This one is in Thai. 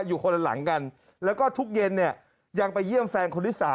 อยู่คนละหลังกันแล้วก็ทุกเย็นเนี่ยยังไปเยี่ยมแฟนคนที่๓